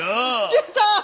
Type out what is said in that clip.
出た！